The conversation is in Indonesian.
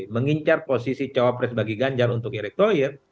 mengincar posisi capres bagi ganjar untuk elektroyer